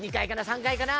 ３階かな？